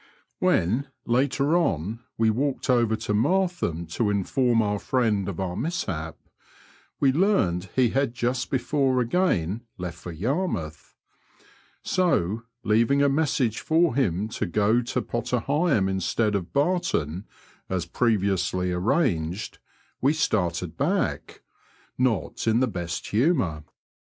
When, later on, we walked over to Martham to inform our friend of our mishap, we learned he had just before again left for Yarmouth ; so, leaving a message for him to go to Potter Heigham instead of Barton, as previously arranged, we started back, not in the best humour.